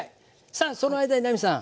さあその間に奈実さん。